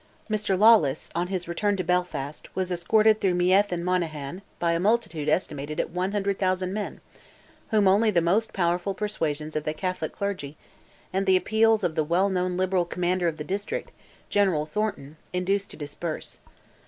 Mr. Lawless, on his return to Belfast, was escorted through Meath and Monaghan by a multitude estimated at 100,000 men, whom only the most powerful persuasions of the Catholic clergy, and the appeals of the well known liberal commander of the district, General Thornton, induced to disperse.